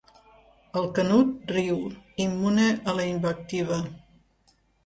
El Canut riu, immune a la invectiva.